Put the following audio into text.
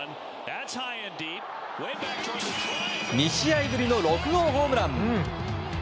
２試合ぶりの６号ホームラン。